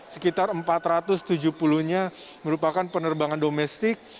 sekitar empat ratus tujuh puluh nya merupakan penerbangan domestik